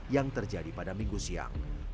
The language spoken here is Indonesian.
yang terjadi pada minggu siang